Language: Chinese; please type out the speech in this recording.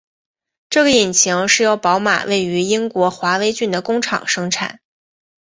这个引擎是由宝马位于英国华威郡的工厂生产。